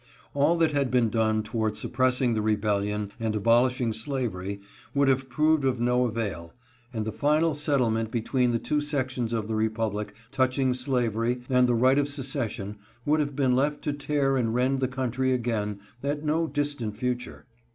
All that had been done toward suppressing the rebellion and abolishing slavery would have proved of no avail, and the final settlement between the two sections of the Republic touching slavery and the right of secession would have been left to tear and rend the country again ctt no distant future.